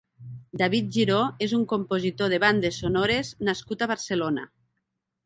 David Giró és un compositor de bandes sonores nascut a Barcelona.